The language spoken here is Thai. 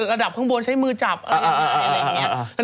ระดับข้างบนใช้มือจับอะไรอย่างนี้